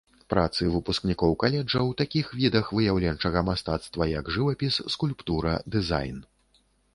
Працы выпускнікоў каледжа ў такіх відах выяўленчага мастацтва, як жывапіс, скульптура, дызайн.